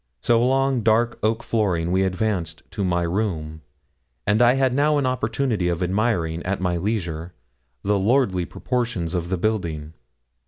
So along dark oak flooring we advanced to my room, and I had now an opportunity of admiring, at my leisure, the lordly proportions of the building.